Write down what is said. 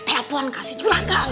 telepon kasih juragan